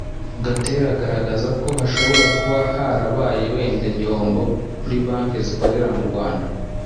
Gatera agaragaza ko hashobora kuba harabaye wenda igihombo kuri Banki zikorera mu Rwanda